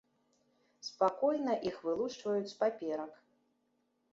Спакойна іх вылушчваюць з паперак.